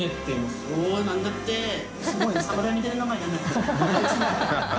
すごいね。